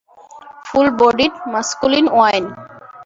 Full bodied, masculine wine.